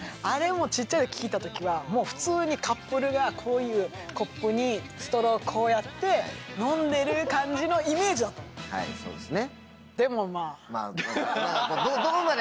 あれ小っちゃい時聴いた時は普通にカップルがこういうコップにストローこうやって飲んでる感じのイメージだったの。